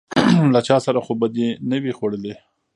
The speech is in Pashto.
_له چا سره خو به دي نه و ي خوړلي؟